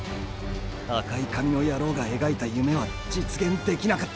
赤い髪のヤロウが描いた夢は実現できなかった。